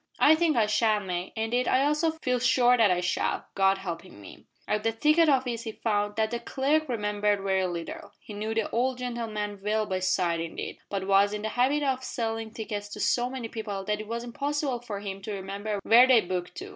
"I think I shall, May. Indeed I also feel sure that I shall God helping me." At the ticket office he found that the clerk remembered very little. He knew the old gentleman well by sight, indeed, but was in the habit of selling tickets to so many people that it was impossible for him to remember where they booked to.